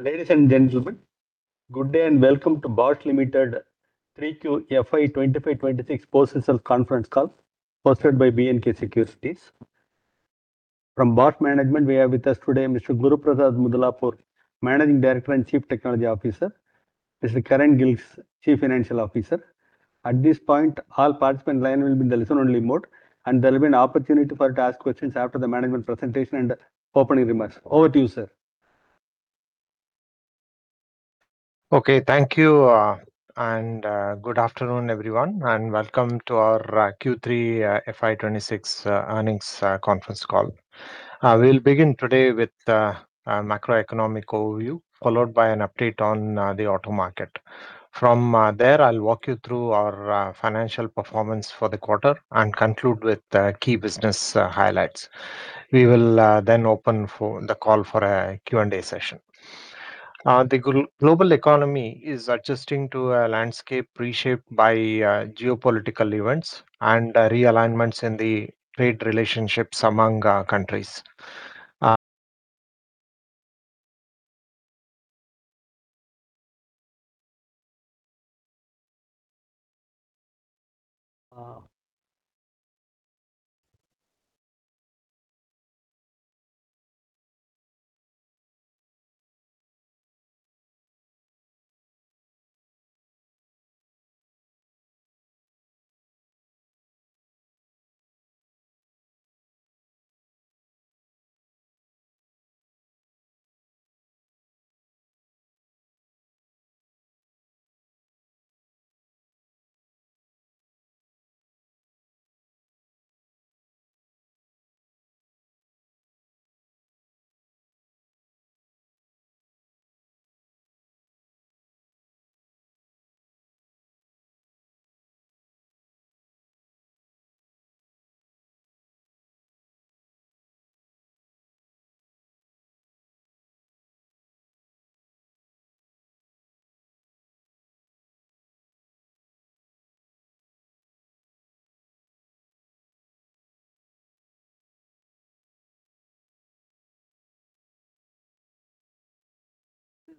Ladies and gentlemen, good day and welcome to Bosch Limited Q3 FY 2025-2026 post results conference call, hosted by B&K Securities. From Bosch Management, we have with us today Mr. Guruprasad Mudlapur, Managing Director and Chief Technology Officer. Ms. Karin Gilges, Chief Financial Officer. At this point, all participant lines will be in the listen-only mode, and there will be an opportunity for you to ask questions after the management presentation and opening remarks. Over to you, sir. Okay, thank you, and good afternoon, everyone, and welcome to our Q3 FY 2026 earnings conference call. We'll begin today with a macroeconomic overview followed by an update on the auto market. From there, I'll walk you through our financial performance for the quarter and conclude with key business highlights. We will then open the call for a Q&A session. The global economy is adjusting to a landscape reshaped by geopolitical events and realignments in the trade relationships among countries.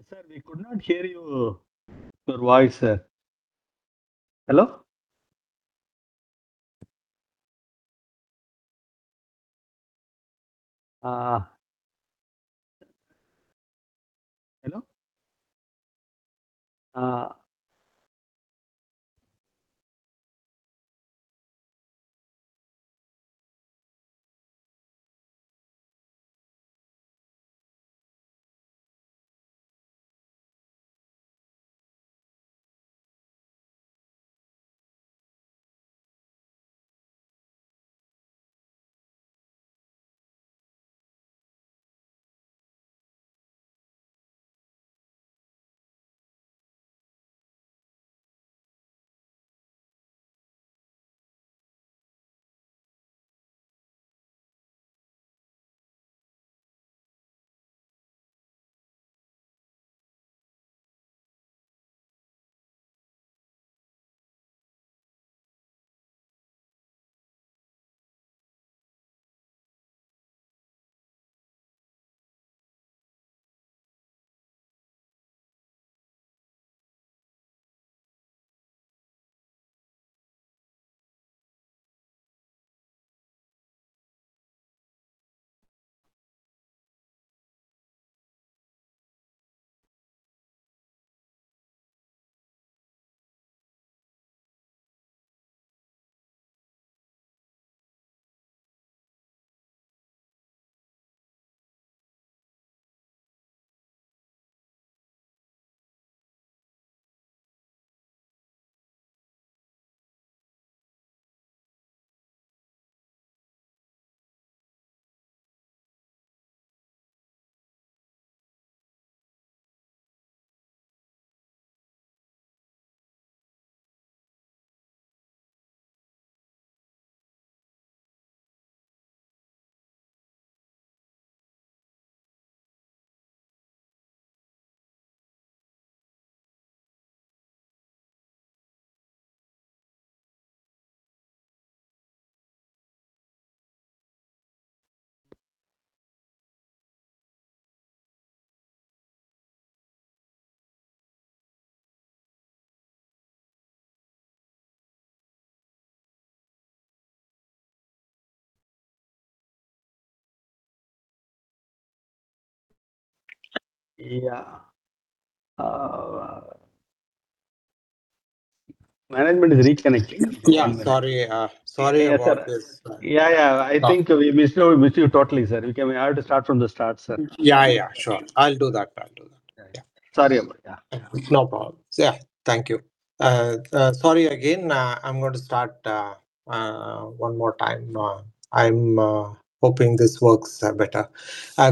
Sir, we could not hear you, your voice, sir. Hello? Hello? Yeah. Management is reconnecting. Yeah, sorry. Sorry about this, sir. Yeah, yeah. I think we missed you totally, sir. We can—I have to start from the start, sir. Yeah, yeah, sure. I'll do that. I'll do that. Yeah, yeah. Sorry, yeah. No problem. Yeah, thank you. Sorry again. I'm going to start, one more time. I'm hoping this works better.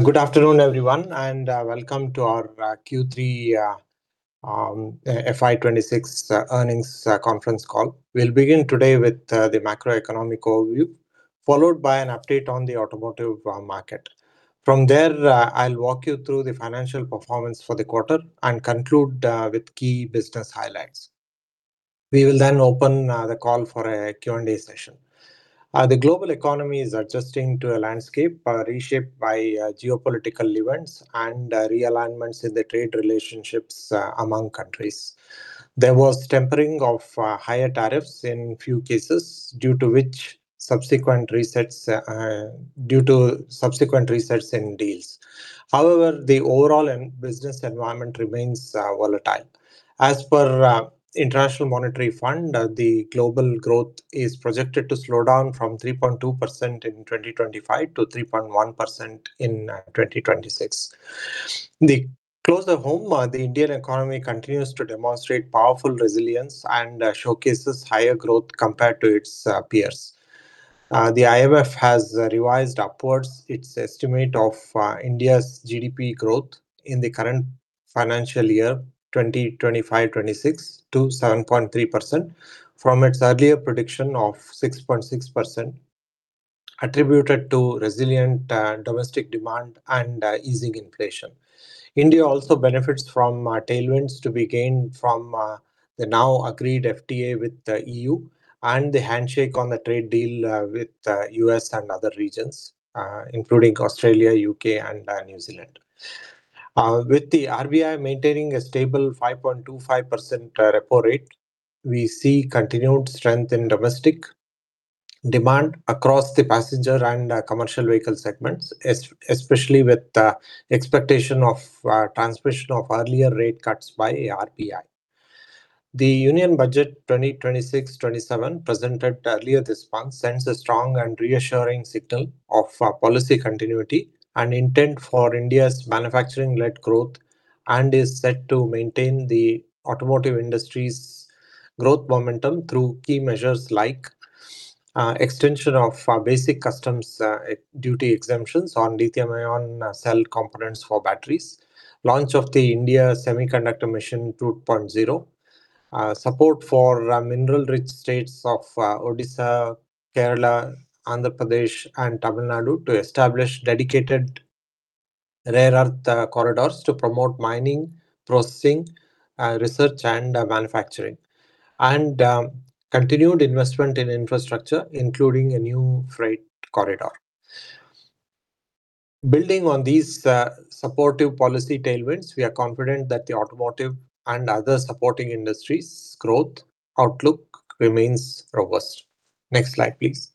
Good afternoon, everyone, and welcome to our Q3 FY 2026 earnings conference call. We'll begin today with the macroeconomic overview, followed by an update on the automotive market. From there, I'll walk you through the financial performance for the quarter and conclude with key business highlights. We will then open the call for a Q&A session. The global economy is adjusting to a landscape reshaped by geopolitical events and realignments in the trade relationships among countries. There was tempering of higher tariffs in a few cases, due to which subsequent resets in deals. However, the overall business environment remains volatile. As per the International Monetary Fund, the global growth is projected to slow down from 3.2% in 2025 to 3.1% in 2026. To close the hour, the Indian economy continues to demonstrate powerful resilience and showcases higher growth compared to its peers. The IMF has revised upwards its estimate of India's GDP growth in the current financial year, 2025-2026, to 7.3% from its earlier prediction of 6.6%, attributed to resilient domestic demand and easing inflation. India also benefits from tailwinds to be gained from the now-agreed FTA with the E.U. and the handshake on the trade deal with the U.S. and other regions, including Australia, the U.K., and New Zealand. With the RBI maintaining a stable 5.25% repo rate, we see continued strength in domestic demand across the passenger and commercial vehicle segments, especially with the expectation of transmission of earlier rate cuts by the RBI. The Union Budget 2026-2027 presented earlier this month sends a strong and reassuring signal of policy continuity and intent for India's manufacturing-led growth, and is set to maintain the automotive industry's growth momentum through key measures like extension of basic customs duty exemptions on lithium-ion cell components for batteries, launch of the India Semiconductor Mission 2.0, support for mineral-rich states of Odisha, Kerala, Andhra Pradesh, and Tamil Nadu to establish dedicated rare-earth corridors to promote mining, processing, research, and manufacturing, and continued investment in infrastructure, including a new freight corridor. Building on these supportive policy tailwinds, we are confident that the automotive and other supporting industries' growth outlook remains robust. Next slide, please.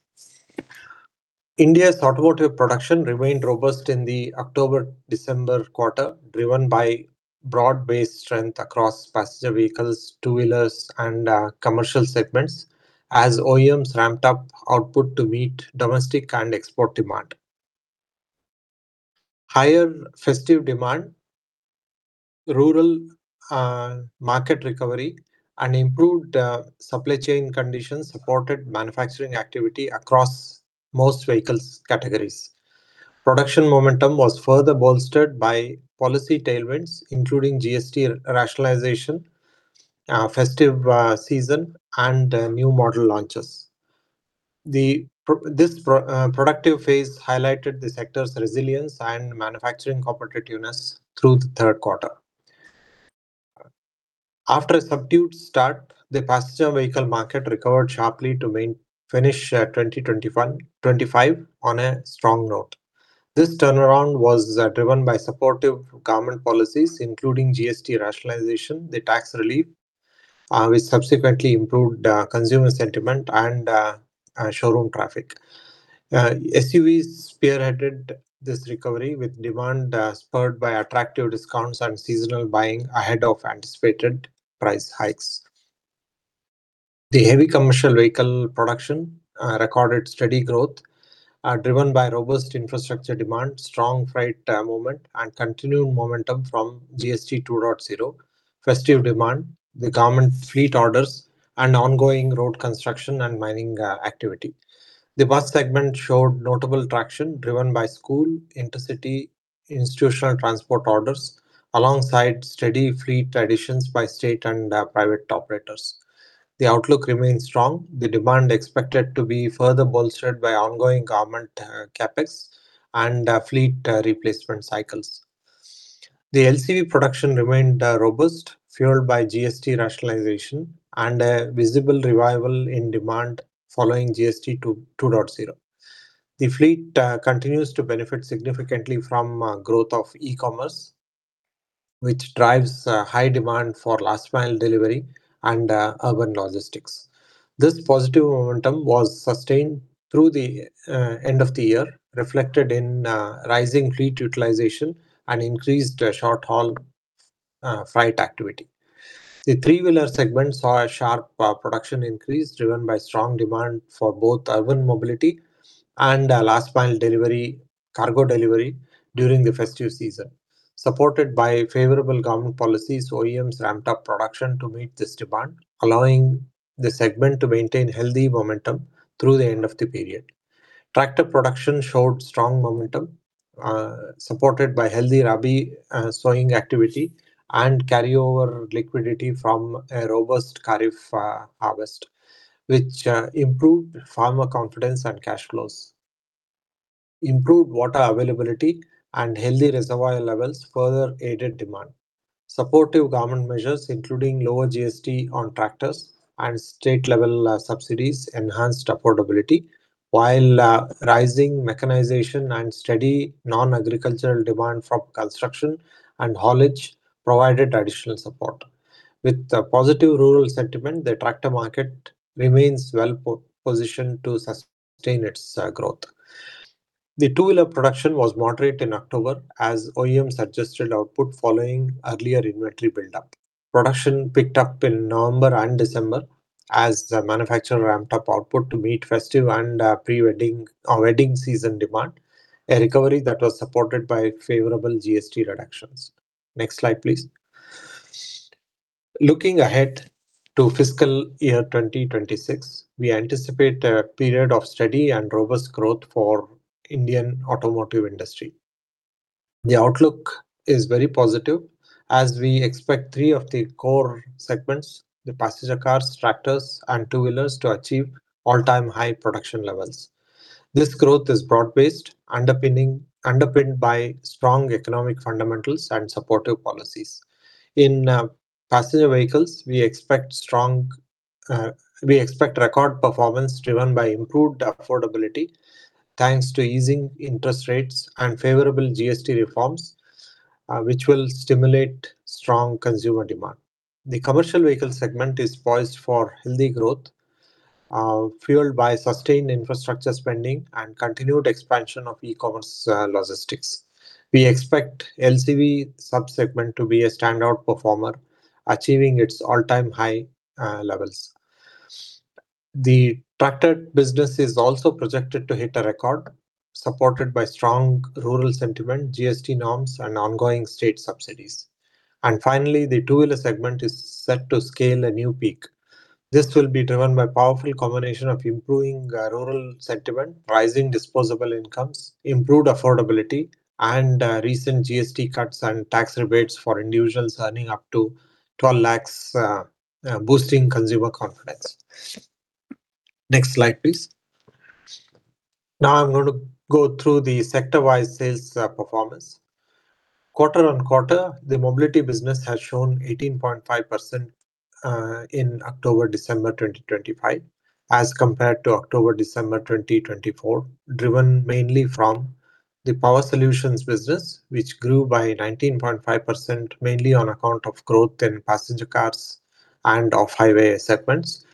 India's automotive production remained robust in the October-December quarter, driven by broad-based strength across passenger vehicles, two-wheelers, and commercial segments as OEMs ramped up output to meet domestic and export demand. Higher festive demand, rural market recovery, and improved supply chain conditions supported manufacturing activity across most vehicle categories. Production momentum was further bolstered by policy tailwinds, including GST rationalization, festive season, and new model launches. This productive phase highlighted the sector's resilience and manufacturing competitiveness through the third quarter. After a subdued start, the passenger vehicle market recovered sharply to finish 2025 on a strong note. This turnaround was driven by supportive government policies, including GST rationalization, the tax relief, which subsequently improved consumer sentiment and showroom traffic. SUVs spearheaded this recovery, with demand spurred by attractive discounts and seasonal buying ahead of anticipated price hikes. The heavy commercial vehicle production recorded steady growth, driven by robust infrastructure demand, strong freight movement, and continued momentum from GST 2.0, festive demand, the government fleet orders, and ongoing road construction and mining activity. The bus segment showed notable traction, driven by school, intercity, institutional transport orders, alongside steady fleet additions by state and private operators. The outlook remained strong, with demand expected to be further bolstered by ongoing government CapEx and fleet replacement cycles. The LCV production remained robust, fueled by GST rationalization and a visible revival in demand following GST 2.0. The fleet continues to benefit significantly from growth of e-commerce, which drives high demand for last-mile delivery and urban logistics. This positive momentum was sustained through the end of the year, reflected in rising fleet utilization and increased short-haul freight activity. The three-wheeler segment saw a sharp production increase, driven by strong demand for both urban mobility and last-mile delivery cargo delivery during the festive season. Supported by favorable government policies, OEMs ramped up production to meet this demand, allowing the segment to maintain healthy momentum through the end of the period. Tractor production showed strong momentum, supported by healthy Rabi sowing activity and carryover liquidity from a robust Kharif harvest, which improved farmer confidence and cash flows. Improved water availability and healthy reservoir levels further aided demand. Supportive government measures, including lower GST on tractors and state-level subsidies, enhanced affordability, while rising mechanization and steady non-agricultural demand from construction and haulage provided additional support. With positive rural sentiment, the tractor market remains well-positioned to sustain its growth. The two-wheeler production was moderate in October as OEMs adjusted output following earlier inventory buildup. Production picked up in November and December as manufacturers ramped up output to meet festive and pre-wedding season demand, a recovery that was supported by favorable GST reductions. Next slide, please. Looking ahead to fiscal year 2026, we anticipate a period of steady and robust growth for the Indian automotive industry. The outlook is very positive, as we expect three of the core segments, the passenger cars, tractors, and two-wheelers, to achieve all-time high production levels. This growth is broad-based, underpinned by strong economic fundamentals and supportive policies. In passenger vehicles, we expect record performance driven by improved affordability, thanks to easing interest rates and favorable GST reforms, which will stimulate strong consumer demand. The commercial vehicle segment is poised for healthy growth, fueled by sustained infrastructure spending and continued expansion of e-commerce logistics. We expect the LCV subsegment to be a standout performer, achieving its all-time high levels. The tractor business is also projected to hit a record, supported by strong rural sentiment, GST norms, and ongoing state subsidies. And finally, the two-wheeler segment is set to scale a new peak. This will be driven by a powerful combination of improving rural sentiment, rising disposable incomes, improved affordability, and recent GST cuts and tax rebates for individuals earning up to 12 lakh, oosting consumer confidence. Next slide, please. Now, I'm going to go through the sector-wise sales performance. Quarter-over-quarter, the Mobility business has shown 18.5% in October-December 2025 as compared to October-December 2024, driven mainly from the Power Solutions business, which grew by 19.5% mainly on account of growth in passenger cars and off-highway segments.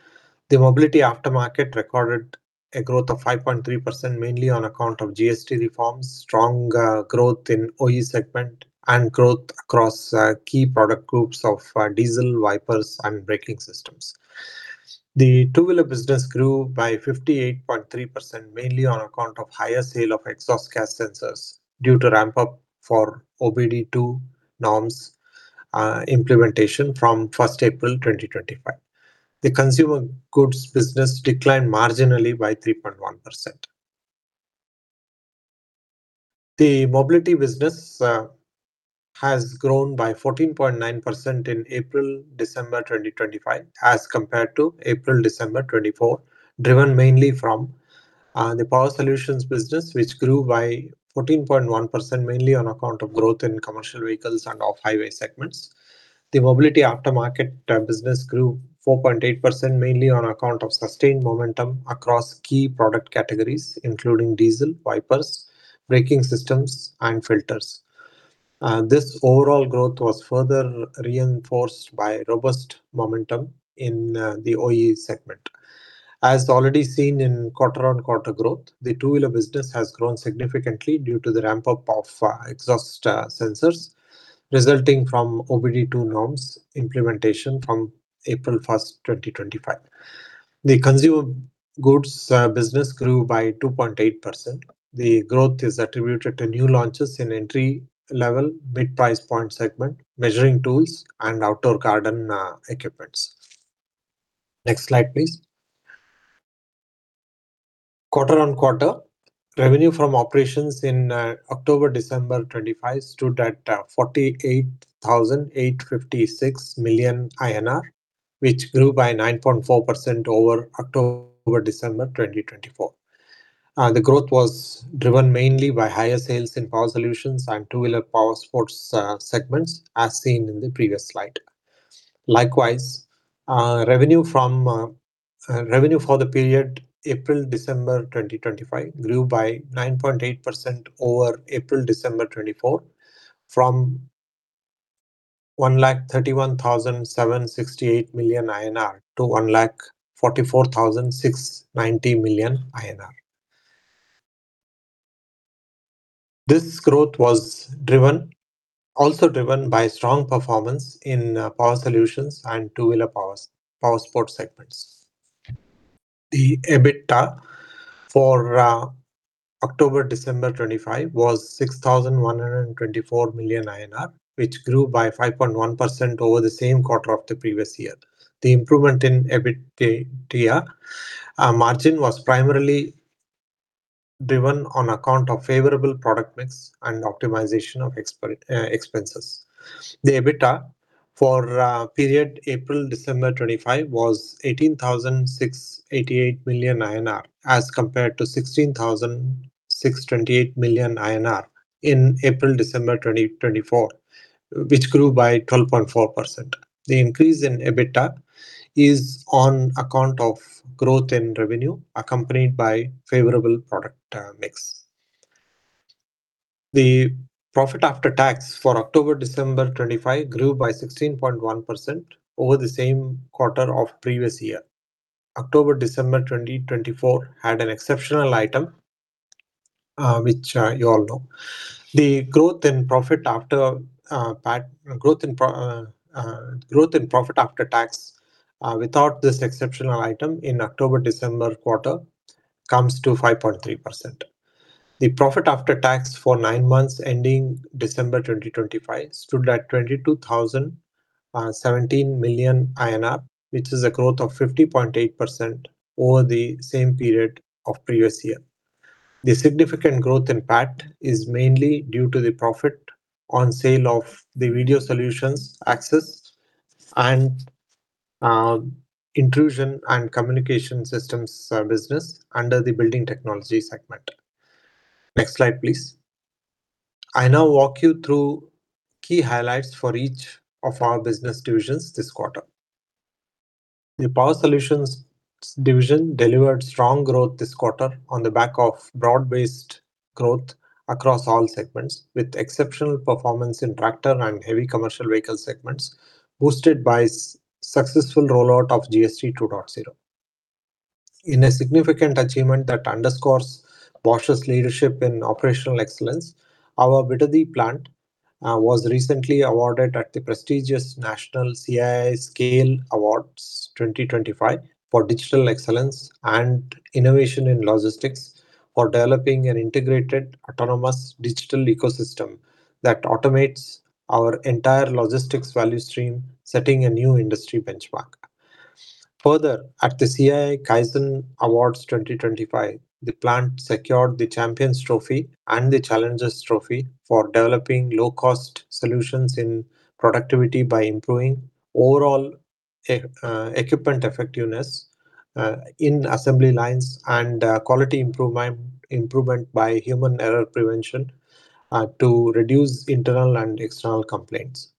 The Mobility Aftermarket recorded a growth of 5.3% mainly on account of GST reforms, strong growth in the OE segment, and growth across key product groups of diesel, wipers, and braking systems. The two-wheeler business grew by 58.3% mainly on account of higher sales of exhaust gas sensors due to ramp-up for OBD-II norms implementation from 1 April 2025. The Consumer Goods business declined marginally by 3.1%. The Mobility business has grown by 14.9% in April-December 2025 as compared to April-December 2024, driven mainly from the Power Solutions business, which grew by 14.1% mainly on account of growth in commercial vehicles and off-highway segments. The Mobility Aftermarket business grew 4.8% mainly on account of sustained momentum across key product categories, including diesel, wipers, braking systems, and filters. This overall growth was further reinforced by robust momentum in the OE segment. As already seen in quarter-on-quarter growth, the two-wheeler business has grown significantly due to the ramp-up of exhaust sensors resulting from OBD-II norms implementation from April 1st, 2025. The Consumer Goods business grew by 2.8%. The growth is attributed to new launches in entry-level mid-price point segment measuring tools and outdoor garden equipment. Next slide, please. Quarter on quarter, revenue from operations in October-December 2025 stood at 48,856 million INR, which grew by 9.4% over October-December 2024. The growth was driven mainly by higher sales in Power Solutions and Two-Wheeler and Powersports segments, as seen in the previous slide. Likewise, revenue for the period April-December 2025 grew by 9.8% over April-December 2024, from 131,768 million INR to 144,690 million INR. This growth was also driven by strong performance in Power Solutions and Two-Wheeler and Powersports segments. The EBITDA for October-December 2025 was 6,124 million INR, which grew by 5.1% over the same quarter of the previous year. The improvement in EBITDA margin was primarily driven on account of favorable product mix and optimization of expenses. The EBITDA for the period April-December 2025 was 18,688 million INR as compared to 16,628 million INR in April-December 2024, which grew by 12.4%. The increase in EBITDA is on account of growth in revenue accompanied by favorable product mix. The profit after tax for October-December 2025 grew by 16.1% over the same quarter of the previous year. October-December 2024 had an exceptional item, which you all know. The growth in profit after tax without this exceptional item in October-December quarter comes to 5.3%. The profit after tax for nine months ending December 2025 stood at 22,017 million INR, which is a growth of 50.8% over the same period of the previous year. The significant growth in PAT is mainly due to the profit on sale of the video systems, access control, and intrusion detection and communication systems business under the Building Technologies segment. Next slide, please. I'll now walk you through key highlights for each of our business divisions this quarter. The Power Solutions division delivered strong growth this quarter on the back of broad-based growth across all segments, with exceptional performance in tractor and heavy commercial vehicle segments, boosted by a successful rollout of GST 2.0. In a significant achievement that underscores Bosch's leadership in operational excellence, our Bidadi plant was recently awarded at the prestigious National CII SCALE Awards 2025 for Digital Excellence and Innovation in Logistics for developing an integrated autonomous digital ecosystem that automates our entire logistics value stream, setting a new industry benchmark. Further, at the CII Kaizen Awards 2025, the plant secured the Champions Trophy and the Challengers Trophy for developing low-cost solutions in productivity by improving overall equipment effectiveness in assembly lines and quality improvement by human error prevention to reduce internal and external complaints.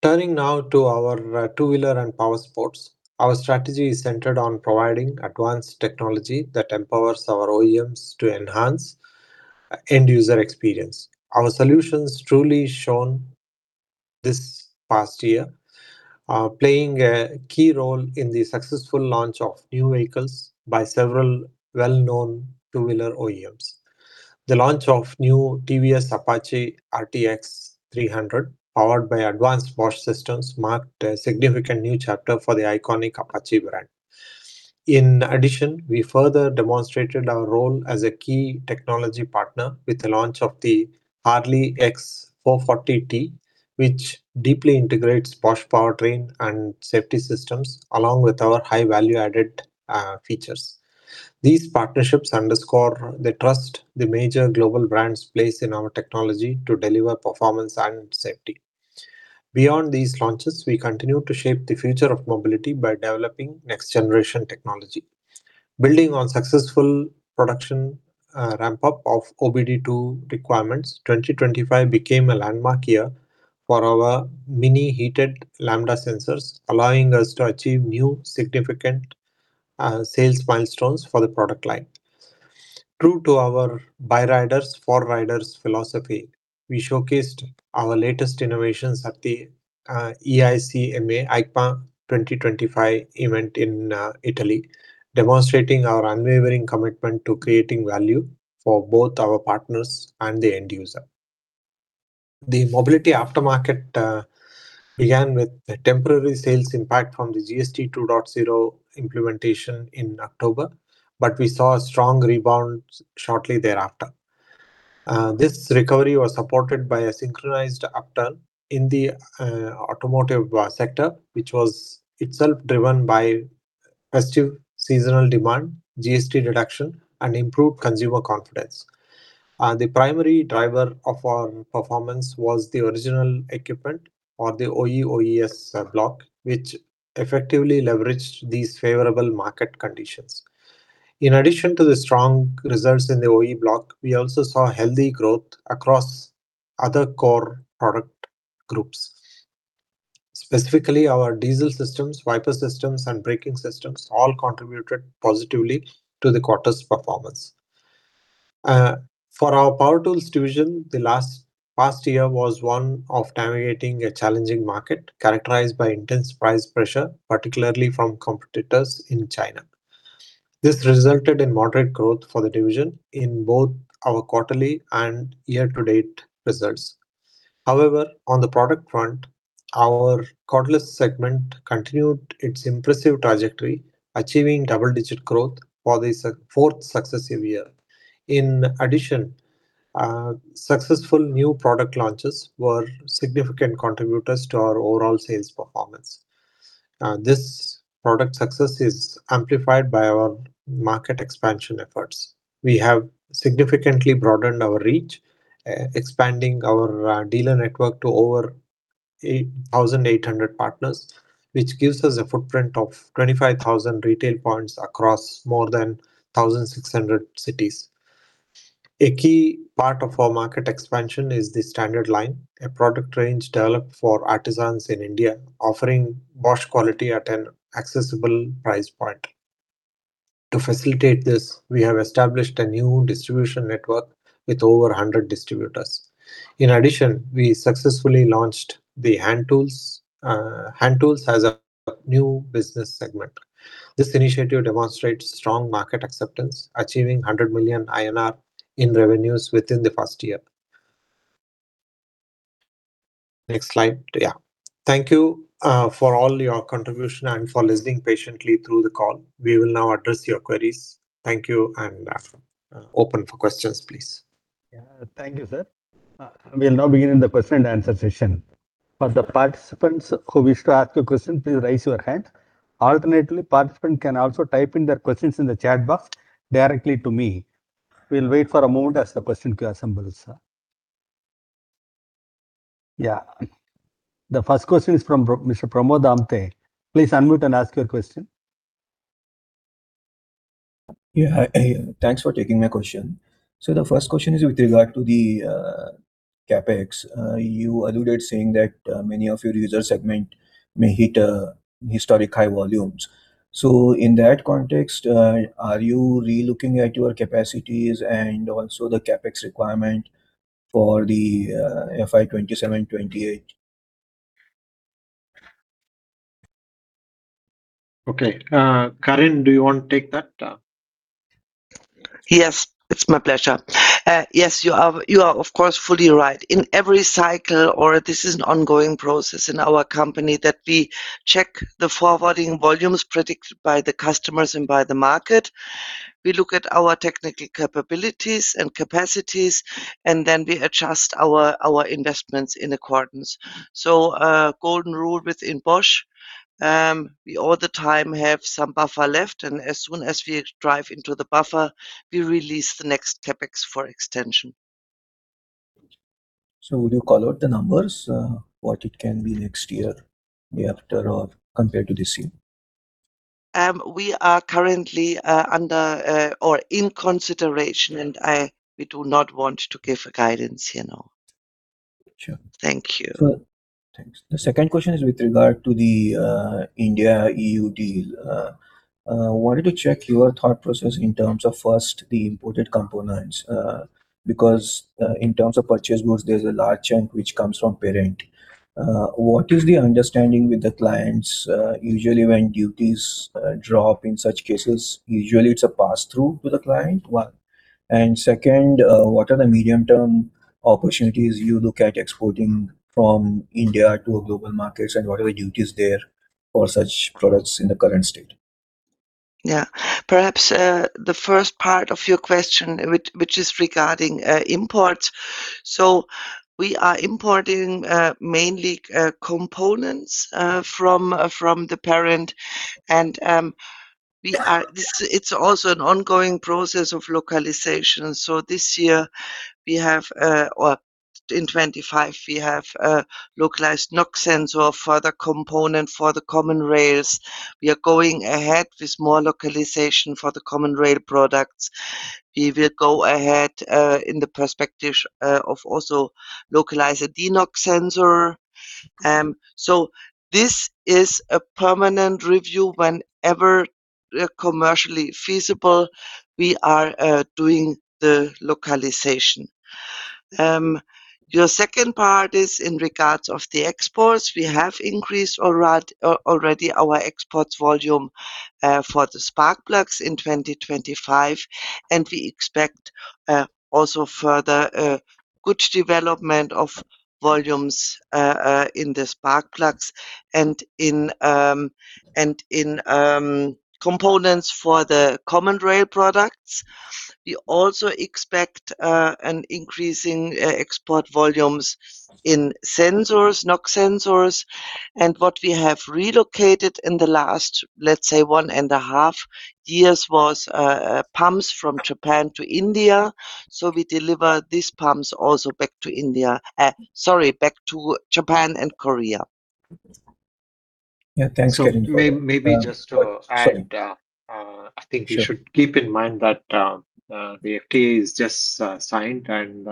Turning now to our Two-Wheeler and Powersports, our strategy is centered on providing advanced technology that empowers our OEMs to enhance end-user experience. Our solutions truly showed this past year, playing a key role in the successful launch of new vehicles by several well-known two-wheeler OEMs. The launch of the new TVS Apache RTX 300, powered by advanced Bosch systems, marked a significant new chapter for the iconic Apache brand. In addition, we further demonstrated our role as a key technology partner with the launch of the Harley X440 T, which deeply integrates Bosch powertrain and safety systems, along with our high-value-added features. These partnerships underscore the trust the major global brands place in our technology to deliver performance and safety. Beyond these launches, we continue to shape the future of mobility by developing next-generation technology. Building on the successful production ramp-up of OBD-II requirements, 2025 became a landmark year for our mini-heated Lambda sensors, allowing us to achieve new significant sales milestones for the product line. True to our "bike riders, four riders" philosophy, we showcased our latest innovations at the EICMA 2025 event in Italy, demonstrating our unwavering commitment to creating value for both our partners and the end user. The Mobility Aftermarket began with a temporary sales impact from the GST 2.0 implementation in October, but we saw a strong rebound shortly thereafter. This recovery was supported by a synchronized upturn in the automotive sector, which was itself driven by festive seasonal demand, GST reduction, and improved consumer confidence. The primary driver of our performance was the original equipment or the OE/OES block, which effectively leveraged these favorable market conditions. In addition to the strong results in the OE block, we also saw healthy growth across other core product groups. Specifically, our diesel systems, wiper systems, and braking systems all contributed positively to the quarter's performance. For our Power Tools division, the past year was one of navigating a challenging market characterized by intense price pressure, particularly from competitors in China. This resulted in moderate growth for the division in both our quarterly and year-to-date results. However, on the product front, our quarterly segment continued its impressive trajectory, achieving double-digit growth for the fourth successive year. In addition, successful new product launches were significant contributors to our overall sales performance. This product success is amplified by our market expansion efforts. We have significantly broadened our reach, expanding our dealer network to over 8,800 partners, which gives us a footprint of 25,000 retail points across more than 1,600 cities. A key part of our market expansion is the Standard Line, a product range developed for artisans in India, offering Bosch quality at an accessible price point. To facilitate this, we have established a new distribution network with over 100 distributors. In addition, we successfully launched the Hand Tools as a new business segment. This initiative demonstrates strong market acceptance, achieving 100 million INR in revenues within the past year. Next slide, yeah. Thank you for all your contributions and for listening patiently through the call. We will now address your queries. Thank you, and open for questions, please. Yeah, thank you, sir. We'll now begin in the Q&A session. For the participants who wish to ask a question, please raise your hand. Alternatively, participants can also type in their questions in the chat box directly to me. We'll wait for a moment as the questions assemble. Yeah. The first question is from Mr. Pramod Amthe. Please unmute and ask your question. Yeah, thanks for taking my question. So, the first question is with regard to the CapEx. You alluded to saying that many of your user segments may hit historic high volumes. So, in that context, are you relooking at your capacities and also the CapEx requirement for the FY 2027-2028? Okay. Karin, do you want to take that? Yes, it's my pleasure. Yes, you are, of course, fully right. In every cycle, or this is an ongoing process in our company, that we check the forwarding volumes predicted by the customers and by the market. We look at our technical capabilities and capacities, and then we adjust our investments in accordance. So, a golden rule within Bosch: we all the time have some buffer left, and as soon as we drive into the buffer, we release the next CapEx for extension. So, will you color out the numbers, what it can be next year after or compared to this year? We are currently under or in consideration, and we do not want to give guidance here. Thank you. Thanks. The second question is with regard to the India-EU deal. I wanted to check your thought process in terms of, first, the imported components. Because in terms of purchase goods, there's a large chunk which comes from parent. What is the understanding with the clients? Usually, when duties drop, in such cases, usually it's a pass-through to the client. Second, what are the medium-term opportunities you look at exporting from India to global markets, and what are the duties there for such products in the current state? Yeah. Perhaps the first part of your question, which is regarding imports. So, we are importing mainly components from the parent, and it's also an ongoing process of localization. So, this year, in 2025, we have a localized NOx sensor for the component for the Common Rails. We are going ahead with more localization for the Common Rail products. We will go ahead in the perspective of also localizing a DeNOx sensor. So, this is a permanent review whenever commercially feasible we are doing the localization. Your second part is in regards to the exports. We have increased already our exports volume for the spark plugs in 2025, and we expect also further good development of volumes in the spark plugs and in components for the Common Rail products. We also expect an increase in export volumes in sensors, NOx sensors. And what we have relocated in the last, let's say, one and a half years was pumps from Japan to India. So, we deliver these pumps also back to India, sorry, back to Japan and Korea. Yeah, thanks, Karin. So, maybe just to add, I think you should keep in mind that the FTA is just signed, and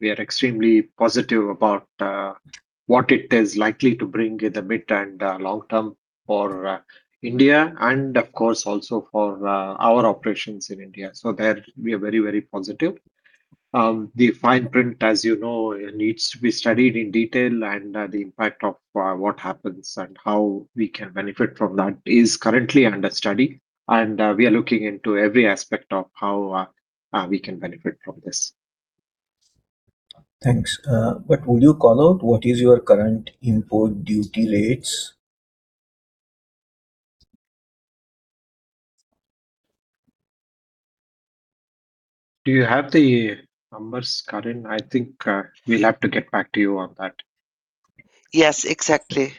we are extremely positive about what it is likely to bring in the mid- and long term for India and, of course, also for our operations in India. So, there, we are very, very positive. The fine print, as you know, needs to be studied in detail, and the impact of what happens and how we can benefit from that is currently under study. We are looking into every aspect of how we can benefit from this. Thanks. Will you call out what your current import duty rates are? Do you have the numbers, Karin? I think we'll have to get back to you on that. Yes, exactly.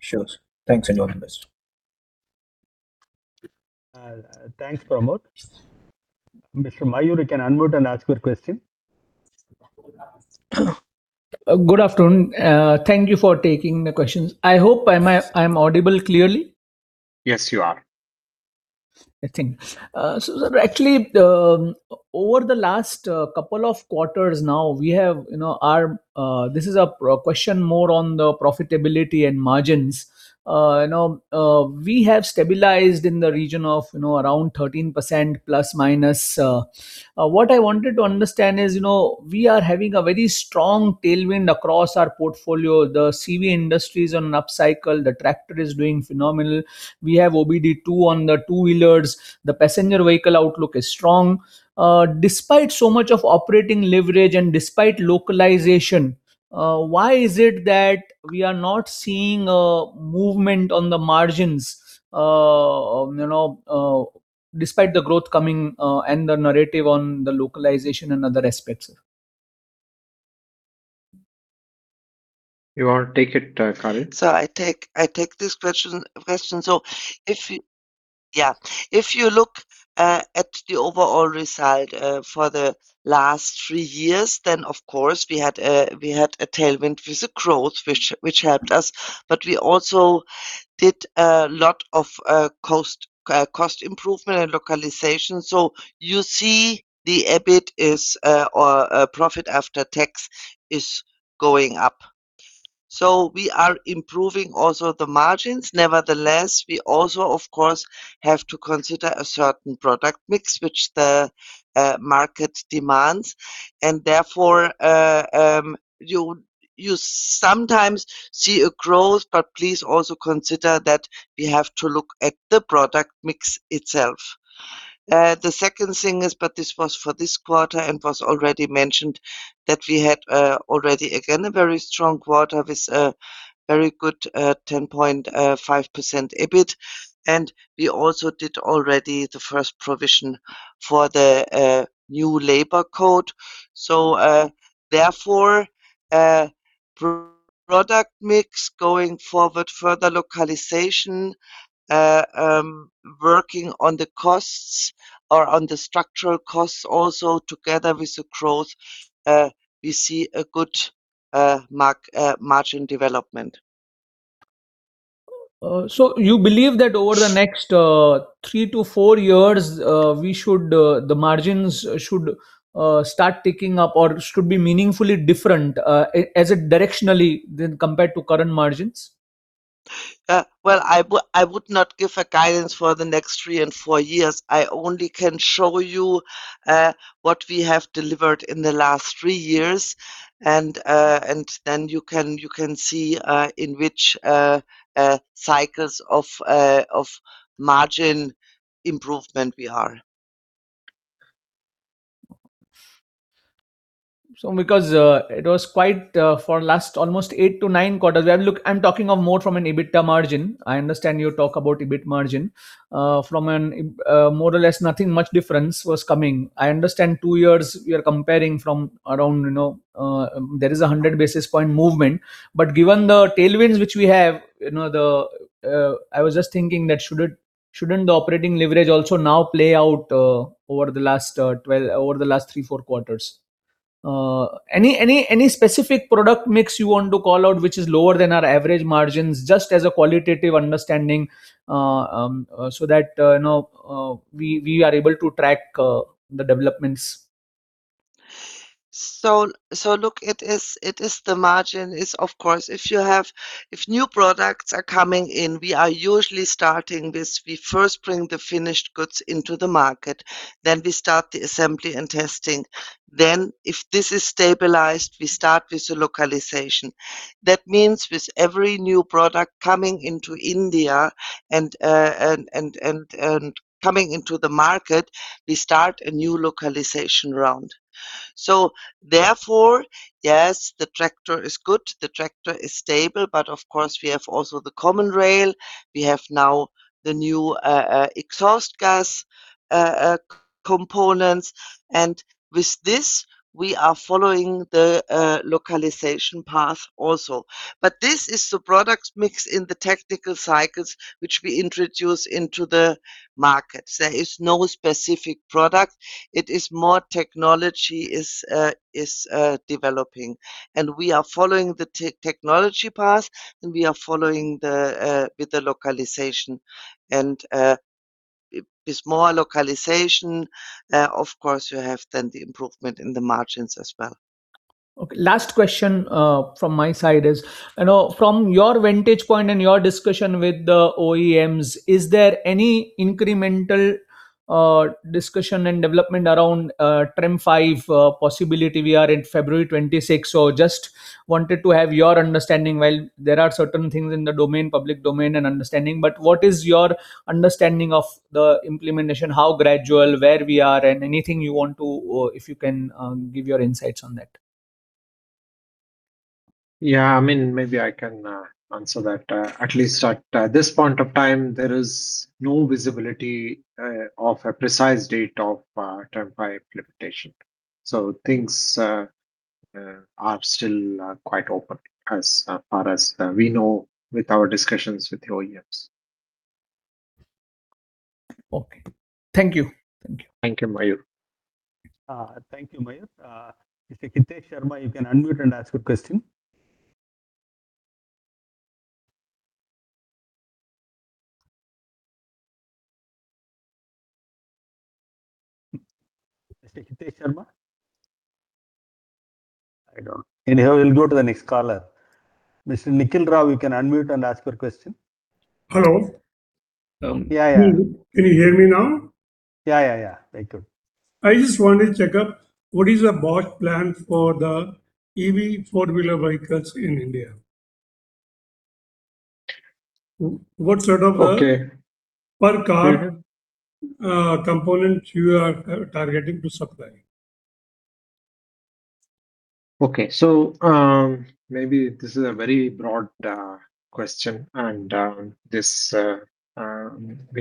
Sure. Thanks, and you're the best. Thanks, Pramod. Mr. Mayur, you can unmute and ask your question. Good afternoon. Thank you for taking the questions. I hope I'm audible clearly. Yes, you are. Thank you. Actually, over the last couple of quarters now, we have, this is a question more on the profitability and margins, we have stabilized in the region of around 13%±. What I wanted to understand is we are having a very strong tailwind across our portfolio. The CV industries are on an upcycle. The tractor is doing phenomenal. We have OBD-II on the two-wheelers. The passenger vehicle outlook is strong. Despite so much of operating leverage and despite localization, why is it that we are not seeing a movement on the margins despite the growth coming and the narrative on the localization and other aspects? You want to take it, Karin? So, I take this question. So, yeah, if you look at the overall result for the last three years, then, of course, we had a tailwind with the growth, which helped us. But we also did a lot of cost improvement and localization. So, you see the EBIT, or profit after tax, is going up. So, we are improving also the margins. Nevertheless, we also, of course, have to consider a certain product mix, which the market demands. And therefore, you sometimes see a growth, but please also consider that we have to look at the product mix itself. The second thing is, but this was for this quarter and was already mentioned, that we had already, again, a very strong quarter with a very good 10.5% EBIT. And we also did already the first provision for the new labor code. So, therefore, product mix going forward, further localization, working on the costs or on the structural costs also together with the growth, we see a good margin development. So, you believe that over the next three to four years, the margins should start ticking up or should be meaningfully different directionally compared to current margins? Well, I would not give guidance for the next three and four years. I only can show you what we have delivered in the last three years, and then you can see in which cycles of margin improvement we are. So, because it was quite for the last almost eight to nine quarters, I'm talking of more from an EBITDA margin. I understand you talk about EBIT margin. From more or less, nothing much difference was coming. I understand two years we are comparing from around there is a 100 basis point movement. But given the tailwinds which we have, I was just thinking that shouldn't the operating leverage also now play out over the last three or four quarters? Any specific product mix you want to call out which is lower than our average margins, just as a qualitative understanding so that we are able to track the developments? So, look, it is the margin. Of course, if new products are coming in, we are usually starting with we first bring the finished goods into the market, then we start the assembly and testing. Then, if this is stabilized, we start with the localization. That means with every new product coming into India and coming into the market, we start a new localization round. So, therefore, yes, the tractor is good. The tractor is stable. But, of course, we have also the Common Rail. We have now the new exhaust gas components. And with this, we are following the localization path also. But this is the product mix in the technical cycles which we introduce into the market. There is no specific product. It is more technology is developing. And we are following the technology path, and we are following with the localization. With more localization, of course, you have then the improvement in the margins as well. Okay. Last question from my side is, from your vantage point and your discussion with the OEMs, is there any incremental discussion and development around TREM V possibility? We are in February 2026, so just wanted to have your understanding. Well, there are certain things in the public domain and understanding. But what is your understanding of the implementation? How gradual, where we are, and anything you want to—if you can give your insights on that? Yeah, I mean, maybe I can answer that. At least at this point of time, there is no visibility of a precise date of TREM V implementation. So things are still quite open as far as we know with our discussions with the OEMs. Okay. Thank you. Thank you. Thank you, Mayur. Thank you, Mayur. Mr. Hitesh Sharma, you can unmute and ask your question. Mr. Hitesh Sharma? I don't know. Anyhow, we'll go to the next caller. Mr. Nikhil Ravi, you can unmute and ask your question. Hello. Can you hear me now? Yeah, yeah, yeah. Very good. I just wanted to check up, what is Bosch's plan for the EV four-wheeler vehicles in India? What sort of per car component you are targeting to supply? Okay. Maybe this is a very broad question. We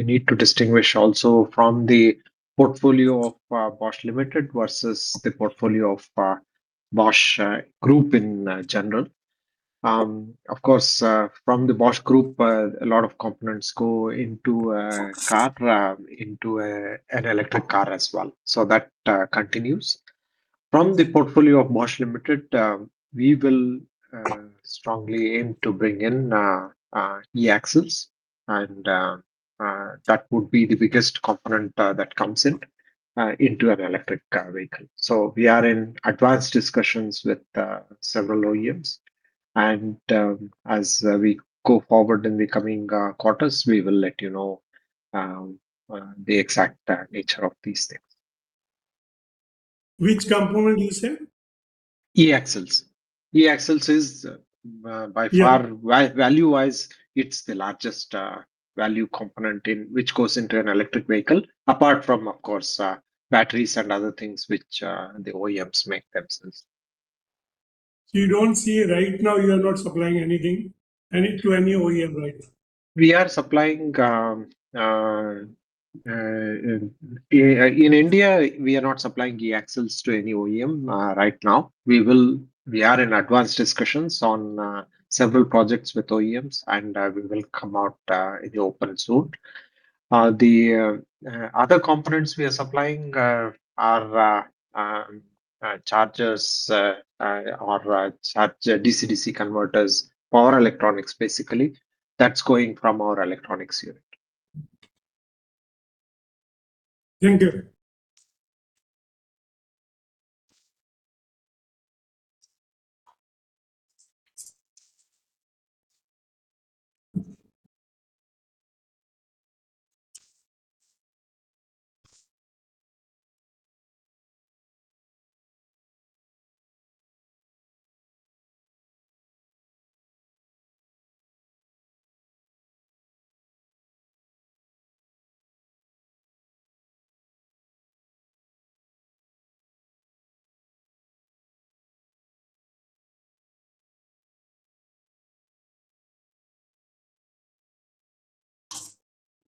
need to distinguish also from the portfolio of Bosch Limited versus the portfolio of Bosch Group in general. Of course, from the Bosch Group, a lot of components go into an electric car as well. That continues. From the portfolio of Bosch Limited, we will strongly aim to bring in e-axles. And that would be the biggest component that comes into an electric vehicle. So we are in advanced discussions with several OEMs. And as we go forward in the coming quarters, we will let you know the exact nature of these things. Which component do you say? E-axles. E-axles is, by far value-wise, it's the largest value component which goes into an electric vehicle apart from, of course, batteries and other things which the OEMs make themselves. So you don't see right now, you are not supplying anything to any OEM right now? We are supplying in India, we are not supplying e-axles to any OEM right now. We are in advanced discussions on several projects with OEMs, and we will come out in the open soon. The other components we are supplying are chargers or DC/DC converters, power electronics basically. That's going from our electronics unit.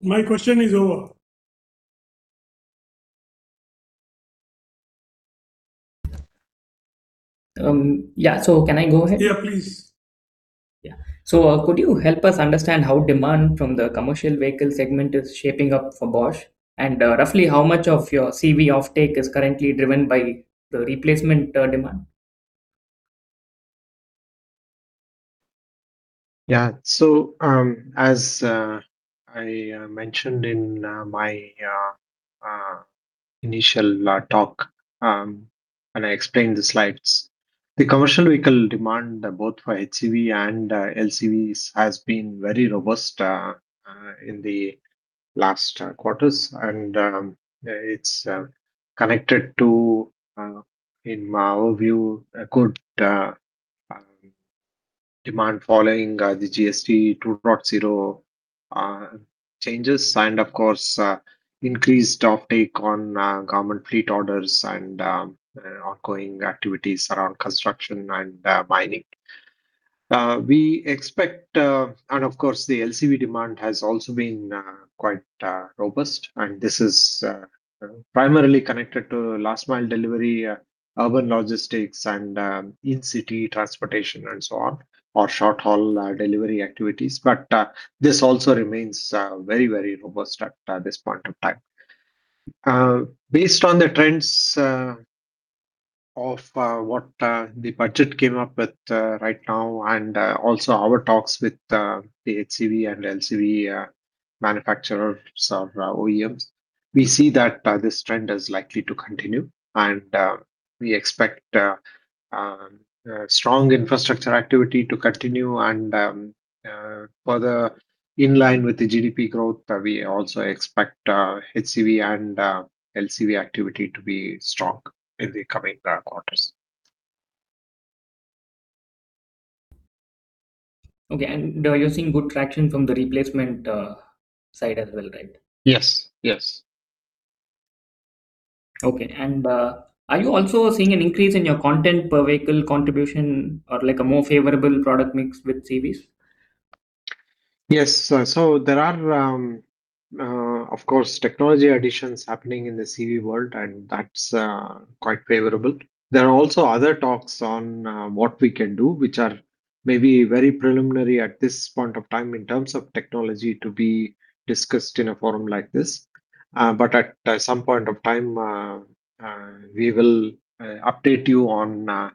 Thank you. My question is over. Yeah. So can I go ahead? Yeah, please. Yeah. So could you help us understand how demand from the commercial vehicle segment is shaping up for Bosch? And roughly, how much of your CV offtake is currently driven by the replacement demand? Yeah. So, as I mentioned in my initial talk when I explained the slides, the commercial vehicle demand both for HCV and LCVs has been very robust in the last quarters. And it's connected to, in my overview, good demand following the GST 2.0 changes and, of course, increased offtake on government fleet orders and ongoing activities around construction and mining. And, of course, the LCV demand has also been quite robust. And this is primarily connected to last-mile delivery, urban logistics, and in-city transportation, and so on, or short-haul delivery activities. But this also remains very, very robust at this point of time. Based on the trends of what the budget came up with right now and also our talks with the HCV and LCV manufacturers or OEMs, we see that this trend is likely to continue. We expect strong infrastructure activity to continue. Further in line with the GDP growth, we also expect HCV and LCV activity to be strong in the coming quarters. Okay. You're seeing good traction from the replacement side as well, right? Yes, yes. Okay. Are you also seeing an increase in your content per vehicle contribution or a more favorable product mix with CVs? Yes. There are, of course, technology additions happening in the CV world, and that's quite favorable. There are also other talks on what we can do which are maybe very preliminary at this point of time in terms of technology to be discussed in a forum like this. But at some point of time, we will update you on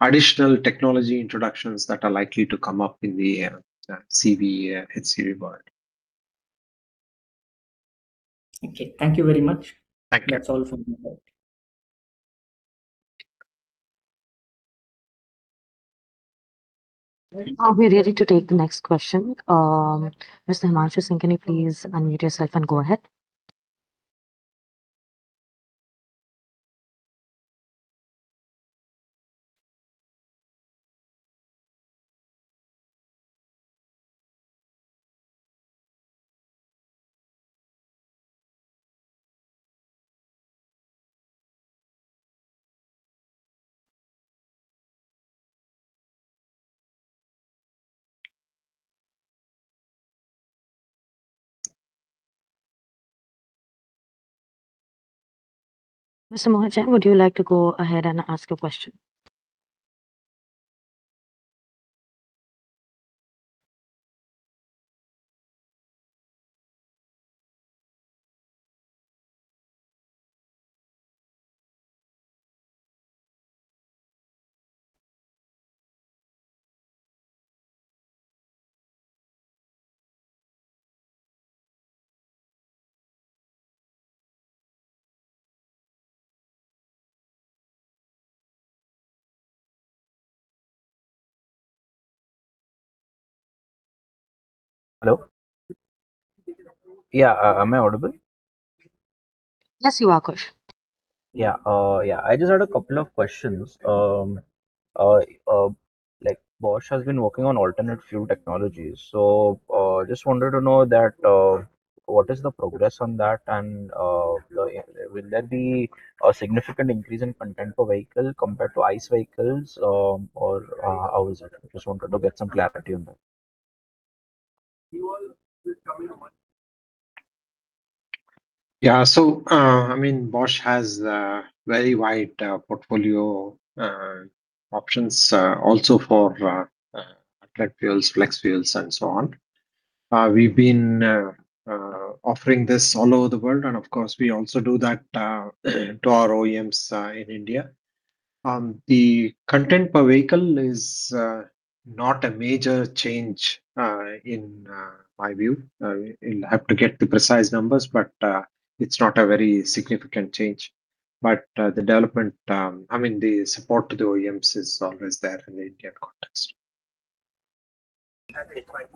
additional technology introductions that are likely to come up in the CV/HCV world. Okay. Thank you very much. That's all from my part. I'll be ready to take the next question. Mr. Hemant Singhania, please unmute yourself and go ahead. Mr. Mahajan, would you like to go ahead and ask your question? Hello? Yeah. Am I audible? Yes, you are, go ahead. Yeah. Yeah. I just had a couple of questions. Bosch has been working on alternate fuel technologies. So just wanted to know what is the progress on that? And will there be a significant increase in content per vehicle compared to ICE vehicles, or how is it? Just wanted to get some clarity on that. Yeah. So, I mean, Bosch has a very wide portfolio options also for alternate fuels, flex fuels, and so on. We've been offering this all over the world. And, of course, we also do that to our OEMs in India. The content per vehicle is not a major change in my view. We'll have to get the precise numbers, but it's not a very significant change. But the development, I mean, the support to the OEMs is always there in the Indian context.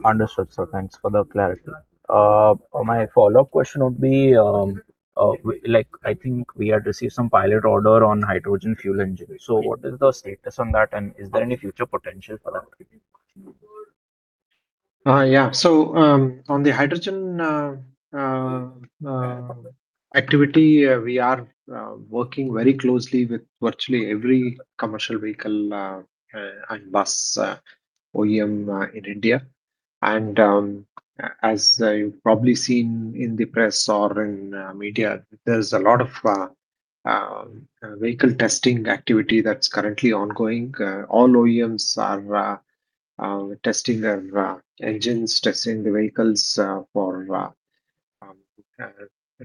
Understood. So thanks for the clarity. My follow-up question would be, I think we had received some pilot order on hydrogen fuel engine. So what is the status on that? And is there any future potential for that? Yeah. So, on the hydrogen activity, we are working very closely with virtually every commercial vehicle and bus OEM in India. And as you've probably seen in the press or in media, there's a lot of vehicle testing activity that's currently ongoing. All OEMs are testing their engines, testing the vehicles for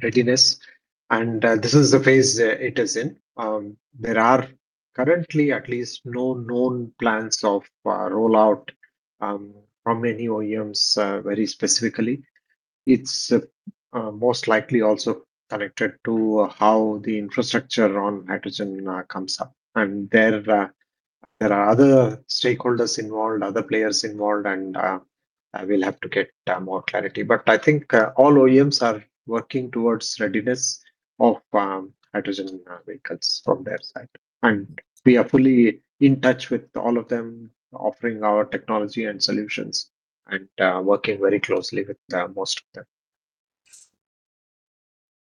readiness. This is the phase it is in. There are currently at least no known plans of rollout from any OEMs very specifically. It's most likely also connected to how the infrastructure on hydrogen comes up. There are other stakeholders involved, other players involved. We'll have to get more clarity. But I think all OEMs are working towards readiness of hydrogen vehicles from their side. We are fully in touch with all of them, offering our technology and solutions and working very closely with most of them.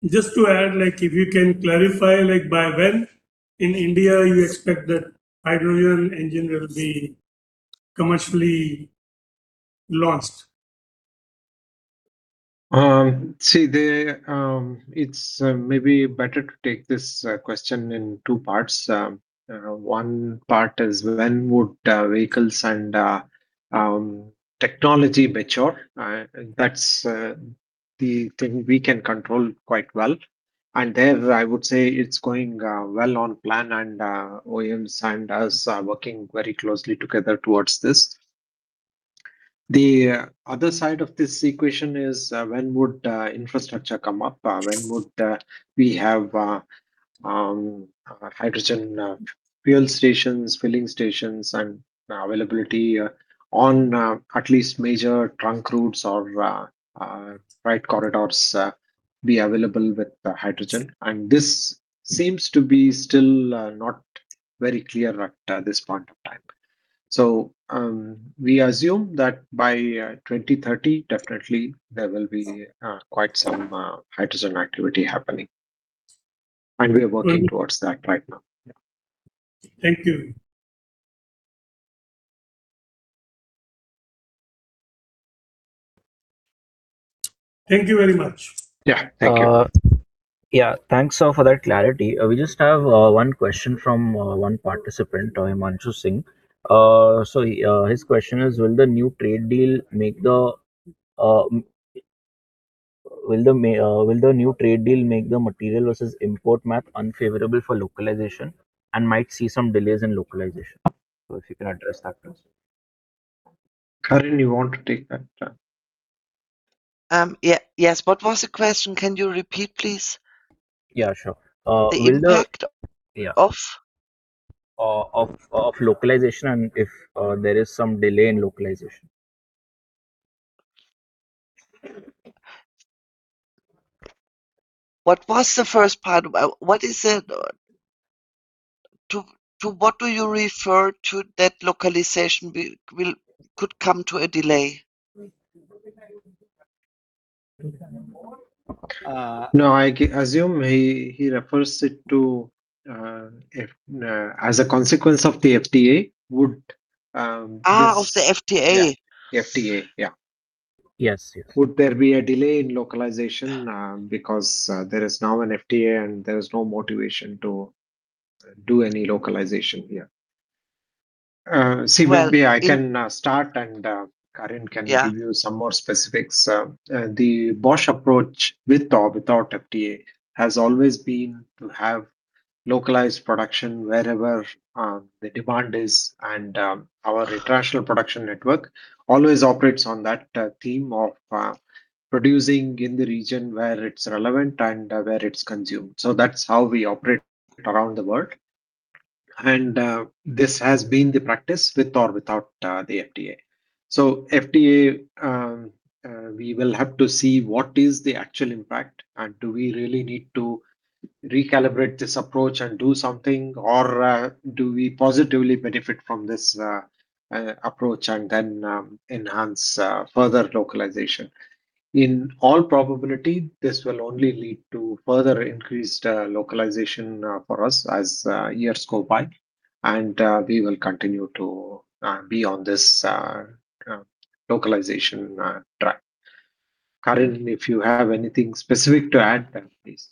Just to add, if you can clarify, by when in India you expect that hydrogen engine will be commercially launched? See, it's maybe better to take this question in two parts. One part is when would vehicles and technology mature? That's the thing we can control quite well. And there, I would say it's going well on plan. And OEMs and us are working very closely together towards this. The other side of this equation is when would infrastructure come up? When would we have hydrogen fuel stations, filling stations, and availability on at least major trunk routes or right corridors be available with hydrogen? And this seems to be still not very clear at this point of time. So we assume that by 2030, definitely, there will be quite some hydrogen activity happening. And we are working towards that right now. Yeah. Thank you. Thank you very much. Yeah. Thank you. Yeah. Thanks for that clarity. We just have one question from one participant, Hemant Singhania. So his question is, will the new trade deal make the material versus import math unfavorable for localization and might see some delays in localization? So if you can address that too. Karin, you want to take that? Yes. What was the question? Can you repeat, please? Yeah. Sure. The impact of- localization and if there is some delay in localization. What was the first part? What is it to what do you refer to that localization could come to a delay? No. I assume he refers it to as a consequence of the FTA. Oh. Of the FTA? Yeah. The FTA. Yeah. Would there be a delay in localization because there is now an FTA, and there is no motivation to do any localization here. See, maybe I can start, and Karin can give you some more specifics. The Bosch approach with or without FTA has always been to have localized production wherever the demand is. And our international production network always operates on that theme of producing in the region where it's relevant and where it's consumed. So that's how we operate around the world. And this has been the practice with or without the FTA. So FTA, we will have to see what is the actual impact. And do we really need to recalibrate this approach and do something? Or do we positively benefit from this approach and then enhance further localization? In all probability, this will only lead to further increased localization for us as years go by. And we will continue to be on this localization track. Karin, if you have anything specific to add, please.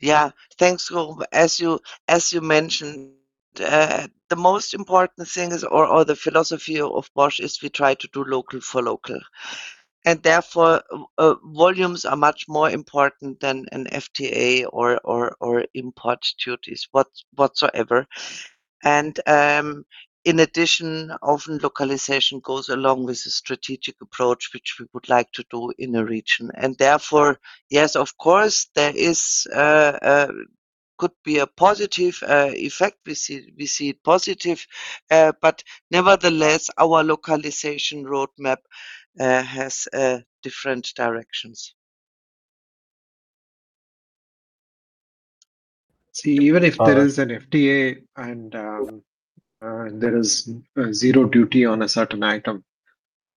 Yeah. Thanks. As you mentioned, the most important thing or the philosophy of Bosch is we try to do local for local. Therefore, volumes are much more important than an FTA or import duties whatsoever. In addition, often, localization goes along with a strategic approach which we would like to do in a region. Therefore, yes, of course, there could be a positive effect. We see it positive. Nevertheless, our localization roadmap has different directions. See, even if there is an FTA and there is zero duty on a certain item,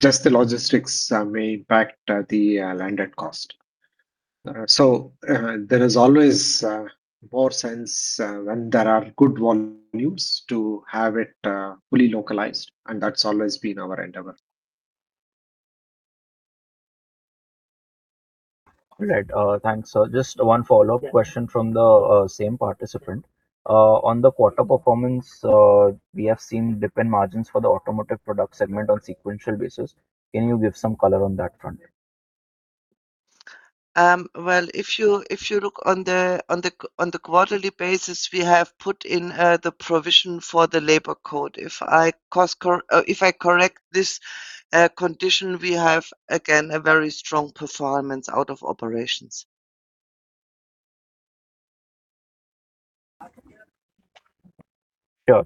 just the logistics may impact the landed cost. There is always more sense when there are good volumes to have it fully localized. That's always been our endeavor. All right. Thanks. Just one follow-up question from the same participant. On the quarter performance, we have seen dip in margins for the automotive product segment on sequential basis. Can you give some color on that front? Well, if you look on the quarterly basis, we have put in the provision for the labor code. If I correct this condition, we have, again, a very strong performance out of operations. Sure.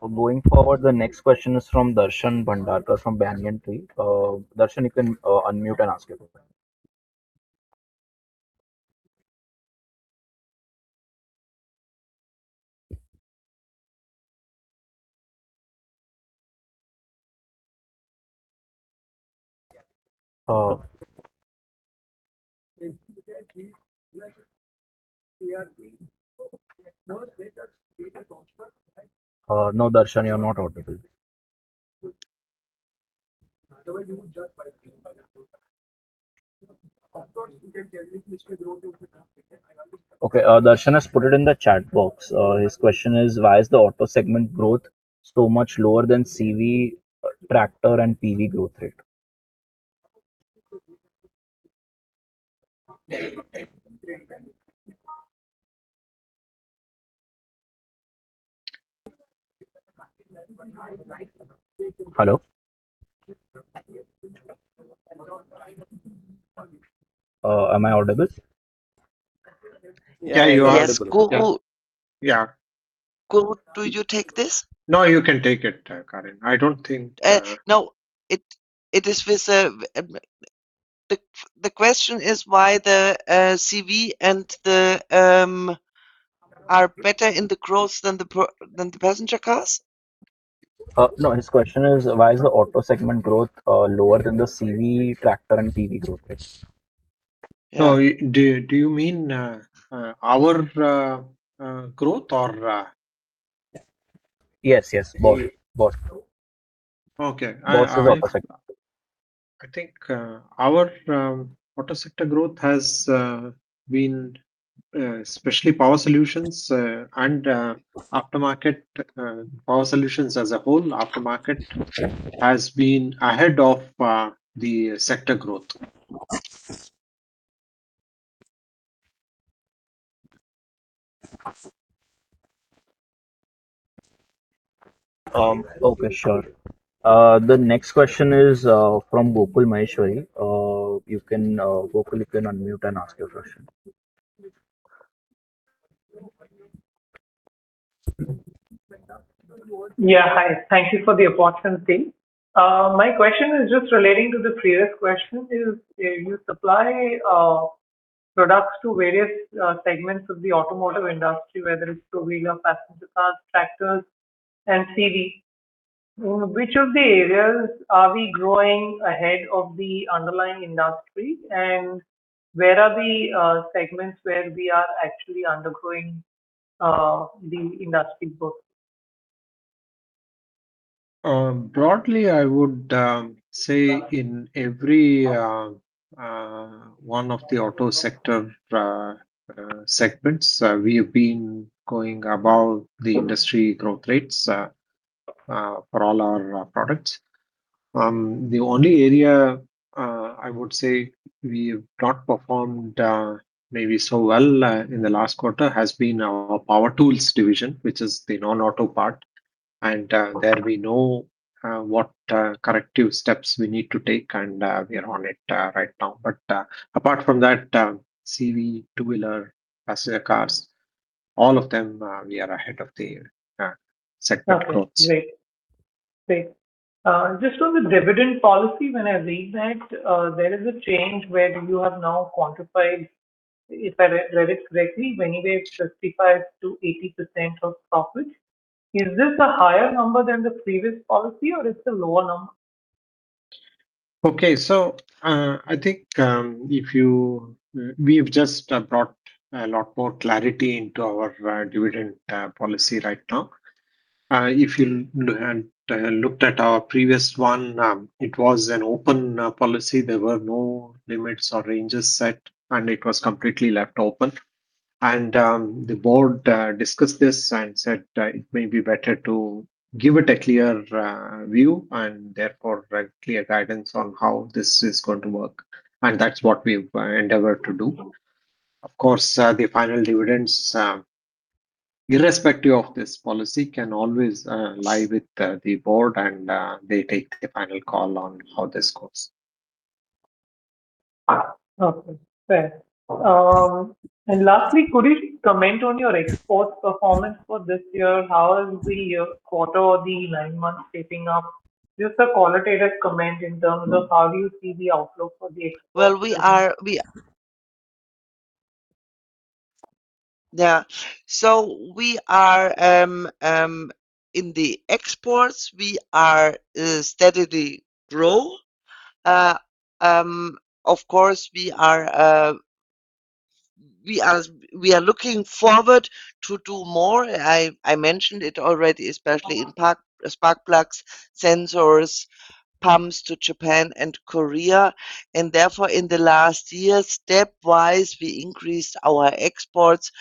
Going forward, the next question is from Darshan Bhandari from Banyan Tree. Darshan, you can unmute and ask your question. No, Darshan, you're not audible. Okay. Darshan has put it in the chat box. His question is, why is the auto segment growth so much lower than CV tractor and PV growth rate? Hello? Am I audible? Yeah. You are audible. Yeah. Could you take this? No, you can take it, Karin. I don't think. No. The question is why the CV are better in the growth than the passenger cars? No. His question is, why is the auto segment growth lower than the CV tractor and PV growth rate? No. Do you mean our growth or? Yes. Yes. Bosch. Bosch. Okay. Bosch is auto sector. I think our auto sector growth has been especially Power Solutions and aftermarket Power Solutions as a whole. Aftermarket has been ahead of the sector growth. Okay. Sure. The next question is from Gokul Maheshwari. Gokul, you can unmute and ask your question. Yeah. Hi. Thank you for the opportunity, team. My question is just relating to the previous question. You supply products to various segments of the automotive industry, whether it's two-wheeler, passenger cars, tractors, and CV. In which of the areas are we growing ahead of the underlying industry? Where are the segments where we are actually undergrowing the industry growth? Broadly, I would say in every one of the auto sector segments, we have been going above the industry growth rates for all our products. The only area I would say we have not performed maybe so well in the last quarter has been our Power Tools division, which is the non-auto part. And there, we know what corrective steps we need to take. And we are on it right now. But apart from that, CV, two-wheeler, passenger cars, all of them, we are ahead of the sector growth. Okay. Great. Great. Just on the dividend policy, when I read that, there is a change where you have now quantified, if I read it correctly, when you get 65%-80% of profit. Is this a higher number than the previous policy, or it's a lower number? Okay. So I think we have just brought a lot more clarity into our dividend policy right now. If you looked at our previous one, it was an open policy. There were no limits or ranges set. And it was completely left open. And the board discussed this and said it may be better to give it a clear view and, therefore, clear guidance on how this is going to work. And that's what we've endeavored to do. Of course, the final dividends, irrespective of this policy, can always lie with the board. And they take the final call on how this goes. Okay. Fair. And lastly, could you comment on your export performance for this year? How is the quarter or the nine months shaping up? Just a qualitative comment in terms of how do you see the outlook for the export? Well, we are. Yeah. So in the exports, we are steadily grow. Of course, we are looking forward to do more. I mentioned it already, especially in spark plugs, sensors, pumps to Japan and Korea. And therefore, in the last year, stepwise, we increased our exports.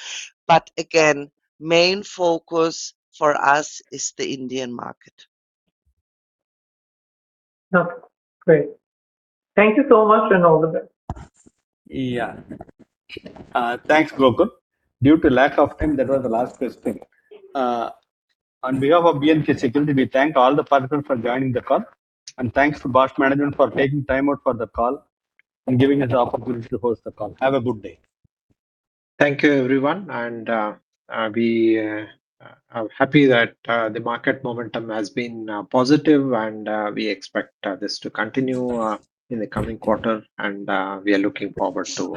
But again, main focus for us is the Indian market. Okay. Great. Thank you so much and all the best. Yeah. Thanks, Gokul. Due to lack of time, that was the last question. On behalf of B&K Securities, we thank all the participants for joining the call. And thanks to Bosch Management for taking time out for the call and giving us the opportunity to host the call. Have a good day. Thank you, everyone. And we are happy that the market momentum has been positive. We expect this to continue in the coming quarter. We are looking forward to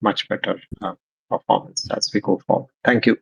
much better performance as we go forward. Thank you.